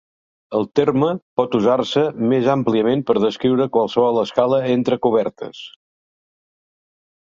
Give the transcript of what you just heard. El terme pot usar-se més àmpliament per descriure qualsevol escala entre cobertes.